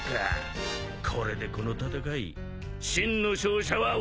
これでこの戦い真の勝者は俺たちだ。